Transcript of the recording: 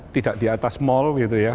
tidak di atas mall gitu ya